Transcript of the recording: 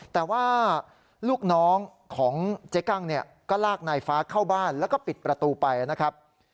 แต่ว่าลูกน้องของเจ๊กั้งเนี่ยก็ลากนายฟ้าเข้าบ้านแล้วก็ปิดประตูไปนะครับ